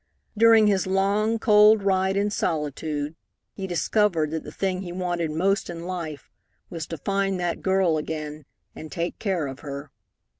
During his long, cold ride in solitude he discovered that the thing he wanted most in life was to find that girl again and take care of her.